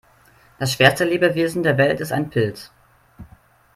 Das schwerste Lebewesen der Welt ist ein Pilz.